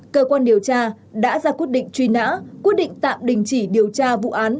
cơ quan điều tra đã ra quyết định truy nã quyết định tạm đình chỉ điều tra vụ án